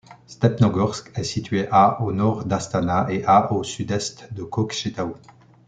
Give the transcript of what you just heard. Stepnogorsk est située à au nord d'Astana et à au sud-est de Kokchetaou.